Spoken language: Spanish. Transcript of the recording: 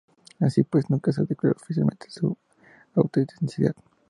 Así pues, nunca se ha declarado oficialmente su autenticidad.